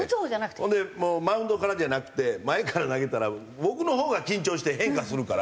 ほんでもうマウンドからじゃなくて前から投げたら僕のほうが緊張して変化するから。